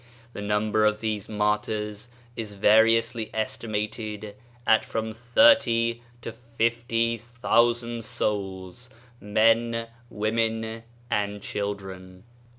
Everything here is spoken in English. The number of these martyrs is variously estimated at from thirty to fifty thousand souls — men, women, and children.